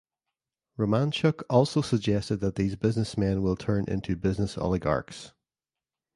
Romanchuk also suggested that these businessmen will turn into business oligarchs.